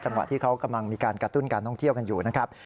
ที่เขากำลังมีการกระตุ้นการท่องเที่ยวกันอยู่นะครับ